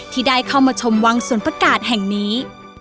ที่ได้เข้ามาชมวังสวนประกาศแห่งนี้